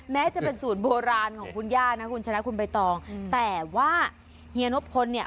แม้จะเป็นสูตรโบราณของคุณย่านะคุณชนะคุณใบตองแต่ว่าเฮียนบพลเนี่ย